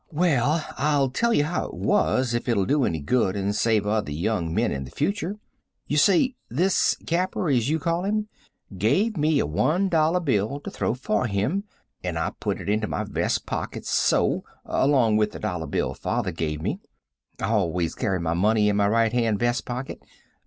"Well, I'll tell you how it was, if it'll do any good and save other young men in the future. You see this capper, as you call him, gave me a $1 bill to throw for him, and I put it into my vest pocket so, along with the dollar bill father gave me. I always carry my money in my right hand vest pocket.